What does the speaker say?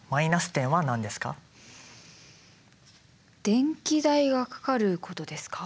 電気代がかかることですか？